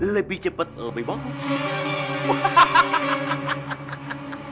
lebih cepet lebih bagus